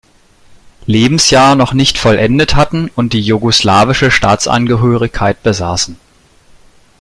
Lebensjahr noch nicht vollendet hatten und die jugoslawische Staatsangehörigkeit besaßen.